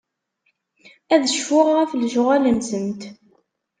Ad cfuɣ ɣef lecɣal-nsent.